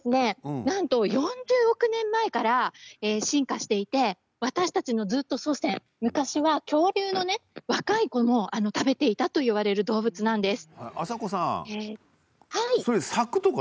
なんと４０億年前から進化していて、私たちの祖先、昔は恐竜の若い子を食べていたと言われる動物です。